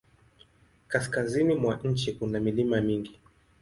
Kaskazini mwa nchi kuna milima mingi.